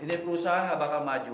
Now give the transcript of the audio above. ini perusahaan nggak bakal maju